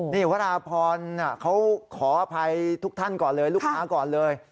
นี่วราพรเขาขออภัยทุกท่านก่อนเลยลูกค้าก่อนเลย